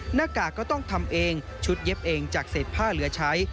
หน้ากากก็ต้องทำเองชุดเย็บเองจากเศษผ้าเหลือใช้